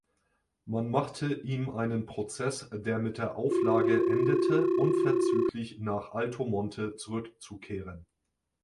Man machte ihm einen Prozess, der mit der Auflage endete, unverzüglich nach Altomonte zurückzukehren.